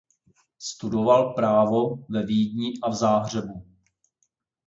Studoval právo ve Vídni a v Záhřebu.